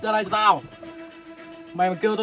dạ vâng em xin